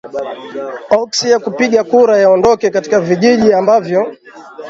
oksi ya kupigia kura yaondoke katika vijiji ambavyo